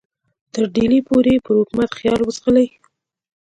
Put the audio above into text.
تر ډهلي پورې یې پر حکومت خیال وځغلي.